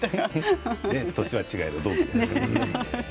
年は違えど同期ですから。